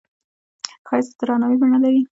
ښایست د درناوي بڼه لري